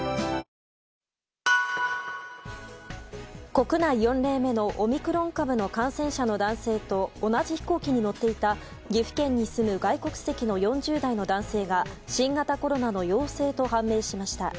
国内４例目のオミクロン株の感染者の男性と同じ飛行機に乗っていた岐阜県に住む外国籍の４０代の男性が新型コロナの陽性と判明しました。